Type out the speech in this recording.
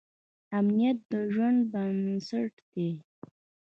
امنیت د ژوند بنسټ دی.